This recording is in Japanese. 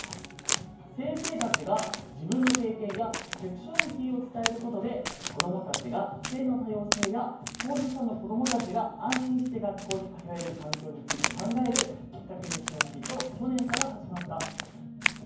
先生たちが自分の経験やセクシュアリティーを伝えることで子どもたちが性の多様性や当事者の子どもたちが安心して学校に通える環境について考えるきっかけにしてほしいと去年から始まった。